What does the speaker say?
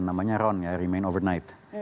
namanya round ya remain overnight